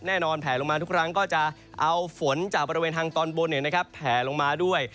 แน่นอนแผ่ลงมาทุกครั้งก็จะเอาฝนจากบริเวณทางตอนบนนะครับแผ่ลงมาด้วย